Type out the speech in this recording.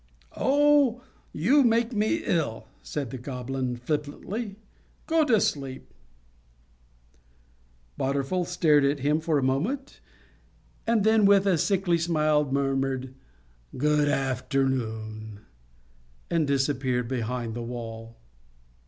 _ "Oh! you make me ill!" said the Goblin, flippantly. "Go to sleep." Badorful stared at him for a moment, and then, with a sickly smile, murmured, "Good afternoon," and disappeared behind the wall.